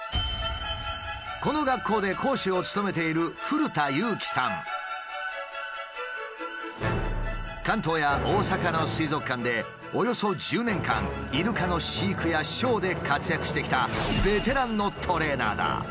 この学校で講師を務めている関東や大阪の水族館でおよそ１０年間イルカの飼育やショーで活躍してきた